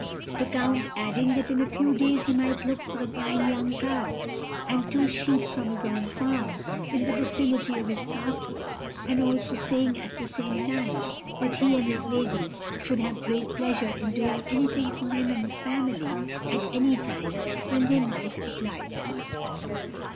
the count adding, that in a few days he might look for a fine young cow and two sheep from his own farm, in the vicinity of his castle; and also saying, at the same time, that he and his lady should have great pleasure in doing anything for him and his family at any time when they might apply to them.